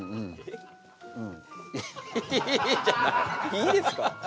いいですか？